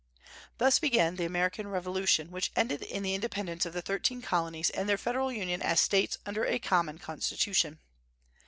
Thus began the American Revolution, which ended in the independence of the thirteen Colonies and their federal union as States under a common constitution.